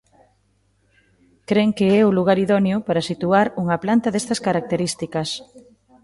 Cren que é o lugar idóneo para situar unha planta destas características.